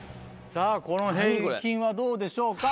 さぁこの平均はどうでしょうか。